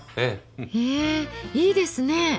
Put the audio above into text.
へえいいですね。